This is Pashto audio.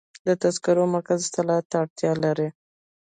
د تذکرو مرکز اصلاحاتو ته اړتیا لري.